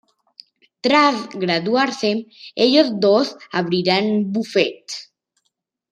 Tras graduarse, ellos dos abrirán un bufete.